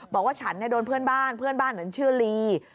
บอกว่าฉันโดนเพื่อนบ้านเพื่อนบ้านชื่อลี